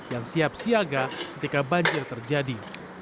yang siap siaga ketika banjir terjadi